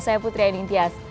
saya putri aini intias